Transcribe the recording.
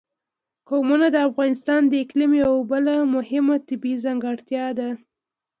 قومونه د افغانستان د اقلیم یوه بله مهمه طبیعي ځانګړتیا ده.